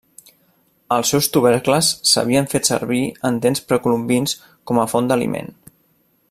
Els seus tubercles s'havien fet servir en temps precolombins com a font d'aliment.